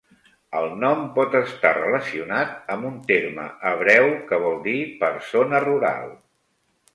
El nom pot estar relacionat amb un terme hebreu que vol dir "persona rural".